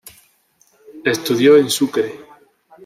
Estudió en Sucre.